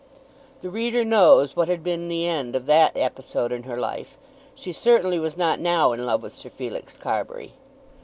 The reader knows what had been the end of that episode in her life. She certainly was not now in love with Sir Felix Carbury.